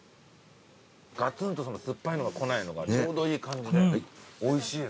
がつんと酸っぱいのがこないのがちょうどいい感じでおいしい。